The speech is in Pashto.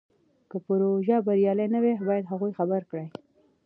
که پروژه بریالۍ نه وي باید هغوی خبر کړي.